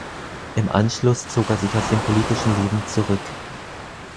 Im Anschluss zog er sich aus dem politischen Leben zurück.